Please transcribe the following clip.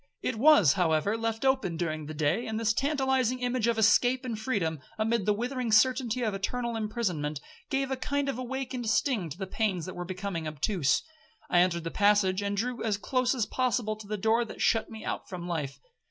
It was, however, left open during the day; and this tantalizing image of escape and freedom, amid the withering certainty of eternal imprisonment, gave a kind of awakened sting to the pains that were becoming obtuse. I entered the passage, and drew as close as possible to the door that shut me out from life.